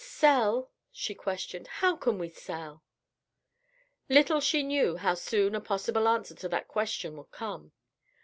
"Sell?" she questioned, "how can we sell?" Little she knew how soon a possible answer to that question would come.